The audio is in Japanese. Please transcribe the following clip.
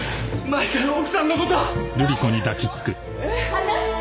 離して！